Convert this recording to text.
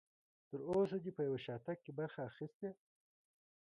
تر اوسه دې په یو شاتګ کې برخه اخیستې؟